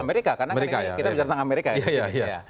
amerika karena kita bicara tentang amerika ya